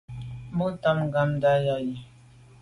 Bo tam ngàmndà yi.